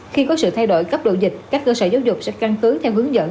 khi có sự thay đổi cấp độ dịch các cơ sở giáo dục sẽ căn cứ theo hướng dẫn